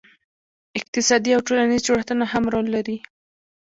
اقتصادي او ټولنیز جوړښتونه هم رول لري.